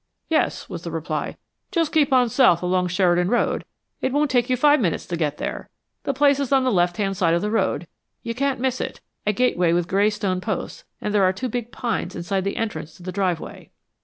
"Yes," was the reply. "Just keep on south along Sheridan Road. It won't take you five minutes to get there. The place is on the left hand side of the road. You can't miss it; a gateway with gray stone posts, and there are two big pines inside the entrance to the driveway."